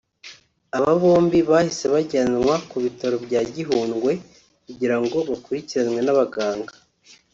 Aba bombi bahise bajyanwa ku bitaro bya Gihundwe kugira ngo bakurikiranwe n’abaganga